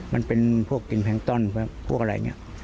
มันเป็นพวกกินแพงต้อนพวกอะไรอย่างนี้